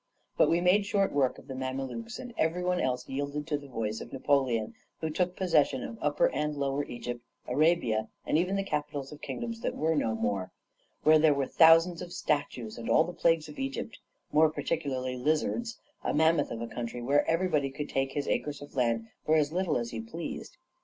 But we made short work of the Mamelukes; and everybody else yielded at the voice of Napoleon, who took possession of Upper and Lower Egypt, Arabia, and even the capitals of kingdoms that were no more, where there were thousands of statues and all the plagues of Egypt, more particularly lizards a mammoth of a country where everybody could take his acres of land for as little as he pleased.